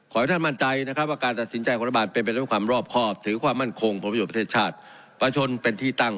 ขอให้ท่านมั่นใจนะครับว่าการตัดสินใจของรัฐบาลเป็นไปด้วยความรอบครอบถือความมั่นคงผลประโยชน์ประเทศชาติประชนเป็นที่ตั้ง